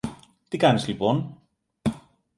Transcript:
Τι κάνεις λοιπόν;